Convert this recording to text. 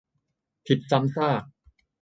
- ผิดซ้ำซาก